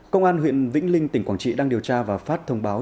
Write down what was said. công an huyện vĩnh linh tỉnh quảng trị đang điều tra và phát thông báo